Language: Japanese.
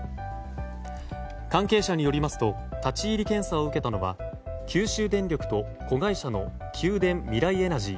関係者によりますと立ち入り検査を受けたのは九州電力と子会社の九電みらいエナジー